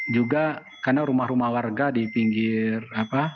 juga karena rumah rumah warga di pinggir apa